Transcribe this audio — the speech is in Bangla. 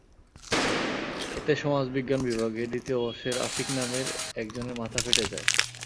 এতে সমাজবিজ্ঞান বিভাগের দ্বিতীয় বর্ষের আশিক নামের একজনের মাথা ফেটে যায়।